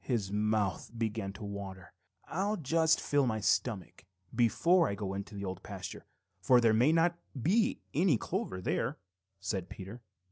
His mouth began to water. "I'll just fill my stomach before I go into the Old Pasture, for there may not be any clover there," said Peter.